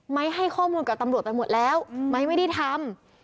ให้ข้อมูลกับตำรวจไปหมดแล้วไม้ไม่ได้ทำ